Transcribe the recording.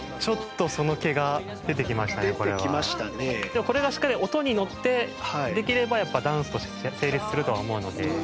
でもこれがしっかり音にのってできればやっぱダンスとして成立するとは思うので。